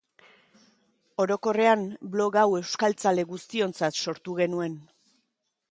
Orokorrean, blog hau euskaltzale guztiontzat sortu genuen.